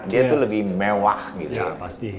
dia tuh lebih mewah gitu